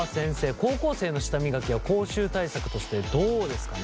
高校生の舌磨きは口臭対策としてどうですかね？